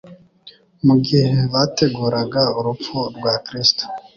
Mu gihe bateguraga urupfu rwa Kristo,